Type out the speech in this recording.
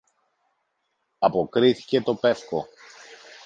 αποκρίθηκε το πεύκο.